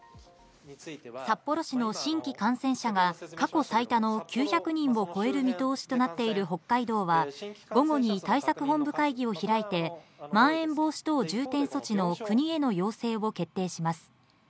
札幌市の新規感染者が過去最多の９００人を超える見通しとなっている北海道は午後に対策本部会議を開いてまん延防止等重点措置の国への要請を決定します。